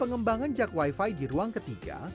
pengembangan jak wifi di ruang ketiga